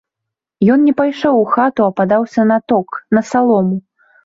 Ён не пайшоў у хату, а падаўся на ток, на салому.